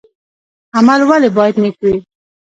عمل ولې باید نیک وي؟